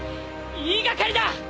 言い掛かりだ！